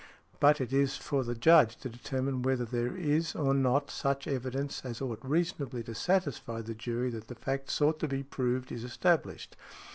But it is for the Judge to determine whether there is or not such evidence as ought reasonably to satisfy the jury that the fact sought to be proved is established.